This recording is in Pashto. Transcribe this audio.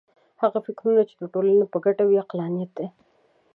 هغه فکرونه چې د ټولنې په ګټه وي عقلانیت دی.